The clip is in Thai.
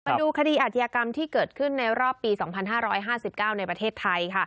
มาดูคดีอาชญากรรมที่เกิดขึ้นในรอบปี๒๕๕๙ในประเทศไทย